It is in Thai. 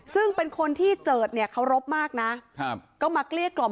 ซึ่งเป็นคนที่เจิดเนี่ยเคารพมากนะครับก็มาเกลี้ยกล่อม